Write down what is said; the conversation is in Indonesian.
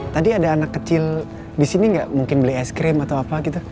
tadi ada anak kecil di sini nggak mungkin beli es krim atau apa gitu